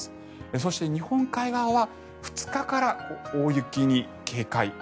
そして日本海側は２日から大雪に警戒。